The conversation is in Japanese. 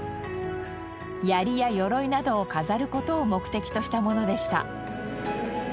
槍や鎧などを飾る事を目的としたものでした。